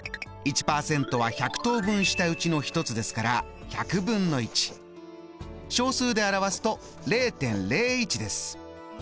１％は１００等分したうちの１つですから小数で表すと０．０１です。